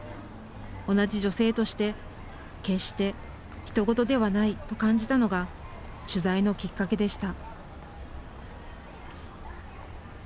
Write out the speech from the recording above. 同じ女性として、決してひと事ではないと感じたのが取材のきっかけでした。